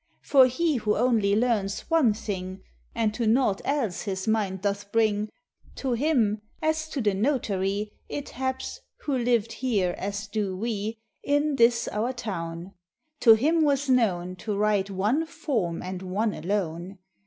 For he who only learns one thing, And to naught else his mind doth bring, To him, as to the notary, It haps, who lived here as do we, In this our town. To him was known To write one form and one alone.